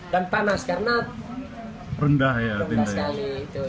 dan panas karena rendah sekali